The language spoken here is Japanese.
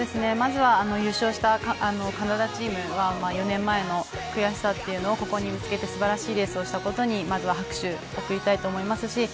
まずは優勝したカナダチームは４年前の悔しさをここにぶつけて素晴らしいレースをしたことにまずは拍手を送りたいと思います。